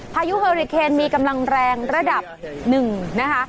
พายุเฮอริเคนมีกำลังแรงระดับหนึ่งนะคะ